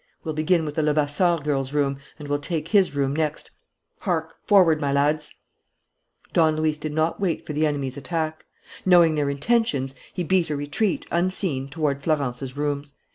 We'll begin with the Levasseur girl's room and we'll take his room next. Hark, forward, my lads!" Don Luis did not wait for the enemies' attack. Knowing their intentions, he beat a retreat, unseen, toward Florence's rooms.